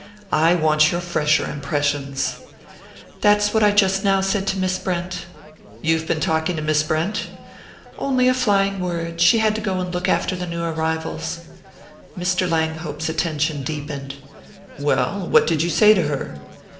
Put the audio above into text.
"I want your fresher impressions." "That's what I just now said to Miss Brent." "You've been talking to Miss Brent?" "Only a flying word she had to go and look after the new arrivals." Mr. Langhope's attention deepened. "Well, what did you say to her?"